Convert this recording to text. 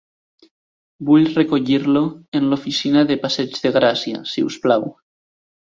Vull recollir-lo en l'oficina de Passeig de Gràcia, si us plau.